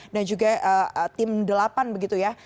dan juga tim delapan begitu ya